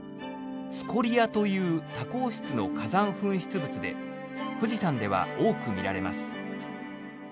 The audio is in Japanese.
「スコリア」という多孔質の火山噴出物で富士山では多く見られます。